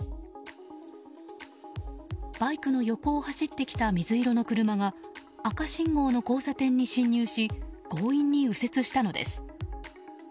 バイクの横を走ってきた水色の車が赤信号の交差点に進入し強引に右折したのです。